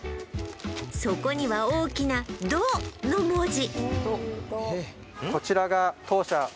そこには大きな「ド」の文字